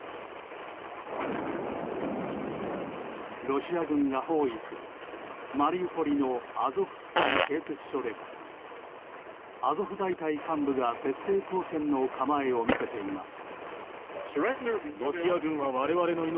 ロシア軍が包囲するマリウポリのアゾフスタリ製鉄所ではアゾフ大隊幹部が徹底抗戦の構えを見せています。